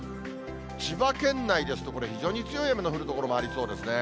千葉県内ですと、これ、非常に強い雨の降る所もありそうですね。